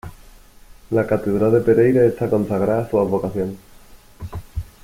La catedral de Pereira está consagrada a su advocación.